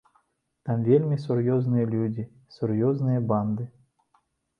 Там вельмі сур'ёзныя людзі, сур'ёзныя банды.